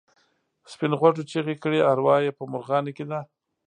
سپین غوږو چیغې کړې اروا یې په مرغانو کې ده.